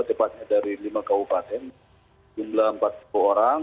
tepatnya dari lima kabupaten jumlah empat puluh orang